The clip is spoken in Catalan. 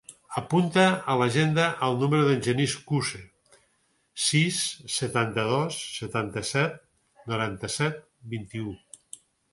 Apunta a l'agenda el número del Genís Couce: sis, setanta-dos, setanta-set, noranta-set, vint-i-u.